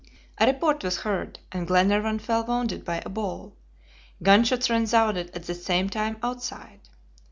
A report was heard, and Glenarvan fell wounded by a ball. Gunshots resounded at the same time outside.